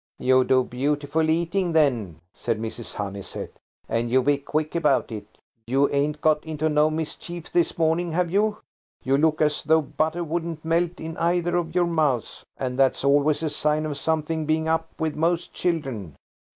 "You do the beautiful eating then," said Mrs. Honeysett, "and you be quick about it. You ain't got into no mischief this morning, have you? You look as though butter wouldn't melt in either of your mouths, and that's always a sign of something being up with most children."